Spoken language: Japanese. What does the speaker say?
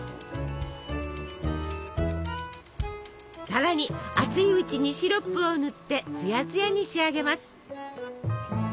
さらに熱いうちにシロップを塗ってツヤツヤに仕上げます。